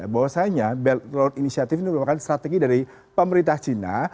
bahwasanya belt road initiative ini merupakan strategi dari pemerintah cina